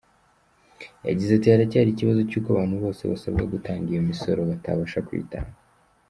Yagize ati “Haracyari ikibazo cy’uko abantu bose basabwa gutanga iyo misoro batabasha kuyitanga.